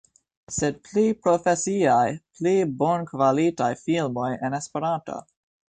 Sed pli profesiaj, pli bonkvalitaj filmoj en Esperanto